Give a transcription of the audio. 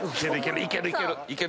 いけるいける！